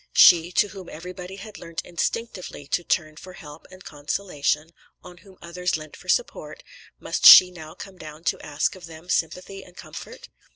She, to whom everybody had learnt instinctively to turn for help and consolation, on whom others leant for support, must she now come down to ask of them sympathy and comfort?